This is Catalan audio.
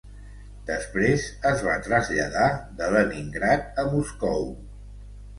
Després es va traslladar de Leningrad a Moscou.